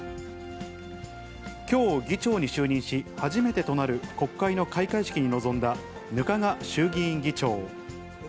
きょう、議長に就任し、初めてとなる国会の開会式に臨んだ額賀衆議院議長。